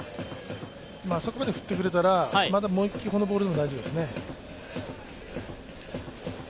あそこまで振ってくれたらもう１球このボールでも大丈夫ですね。